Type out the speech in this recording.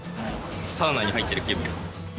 サウナに入ってる気分。